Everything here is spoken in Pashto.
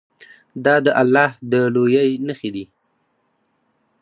دا د الله د لویۍ نښې دي.